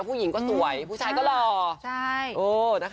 ผู้หญิงก็สวยผู้ชายก็หล่อนะคะ